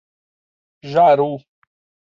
Jaru